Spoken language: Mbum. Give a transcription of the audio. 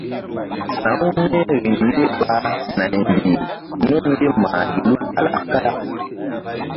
Sa̧wu mí riŋ ye ɓa naymbih nun ye mah gelu kalak kalak.